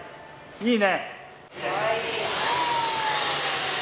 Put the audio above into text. いいね。